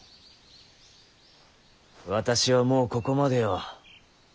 私はもうここまでよ。